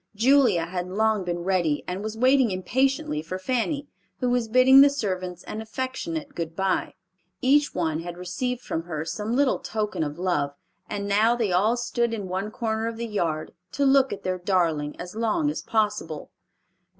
Julia had long been ready and was waiting impatiently for Fanny, who was bidding the servants an affectionate good bye. Each one had received from her some little token of love, and now they all stood in one corner of the yard, to look at their darling as long as possible.